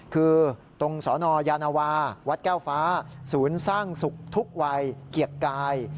คือตรงสนยานวาวัดแก้วฟ้าศูนย์สร้างสุขทุกวัยเกียรติกาย